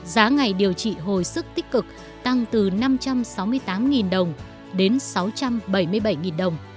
giá ngày điều trị hồi sức tích cực tăng từ năm trăm sáu mươi tám đồng đến sáu trăm bảy mươi bảy đồng